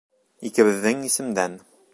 Икебеҙҙең исемдән.